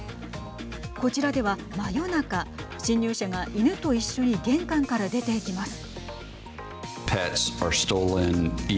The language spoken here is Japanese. こちらでは真夜中、侵入者が犬と一緒に玄関から出ていきます。